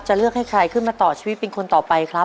เลือกให้ใครขึ้นมาต่อชีวิตเป็นคนต่อไปครับ